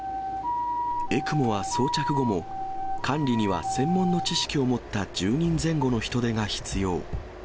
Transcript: ＥＣＭＯは装着後も、管理には専門の知識を持った１０人前後の人手が必要。